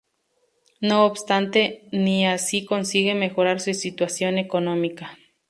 No obstante, ni así consigue mejorar su situación económica.